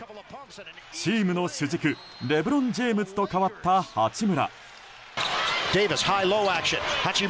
チームの主軸、レブロン・ジェームズと代わった八村。